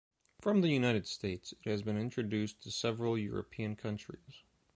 From the United States, it has been introduced to several European countries.